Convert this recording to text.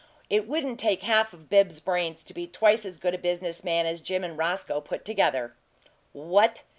It wouldn't take half of Bibbs's brains to be twice as good a business man as Jim and Roscoe put together." "WHAT!"